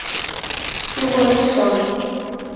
Ӱмырешлан!